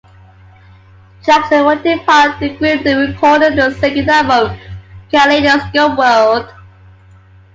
Jackson would depart the group during the recording of their second album, "Kaleidoscope World".